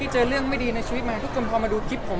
พี่เจอเรื่องไม่ดีในชีวิตมาให้พี่ตกคลิกมาดูคลิปผม